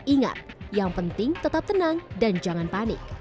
ingat yang penting tetap tenang dan jangan panik